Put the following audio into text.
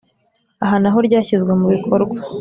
Aha na ho ryashyizwe mu bikorwa